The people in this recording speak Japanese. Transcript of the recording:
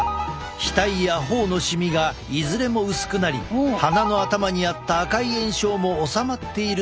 額や頬のシミがいずれも薄くなり鼻の頭にあった赤い炎症も治まっているのが分かる。